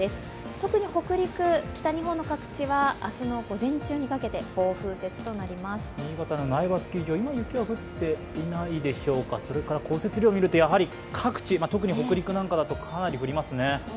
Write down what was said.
特に北陸、北日本の各地は明日の午前中にかけて新潟の苗場スキー場、今は雪は降っていないでしょうか、降雪量を見ると、各地、特に北陸なんかだとかなり降りますね。